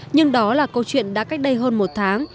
nhưng đó là câu chuyện đã cách đây hơn một tháng